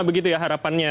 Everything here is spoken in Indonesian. begitu ya harapannya